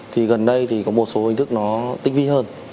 thì gần đây thì có một số hình thức nó tích vi hơn